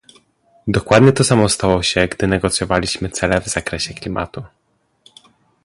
Dokładnie to samo stało się, gdy negocjowaliśmy cele w zakresie klimatu